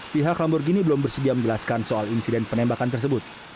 pihak lamborghini belum bersedia menjelaskan soal insiden penembakan tersebut